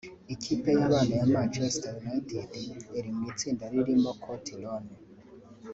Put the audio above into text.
Ikipe y’abana ya Manchester United iri mu itsinda ririmo Co Tyrone